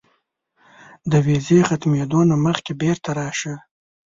د ویزې ختمېدو نه مخکې بیرته راشه.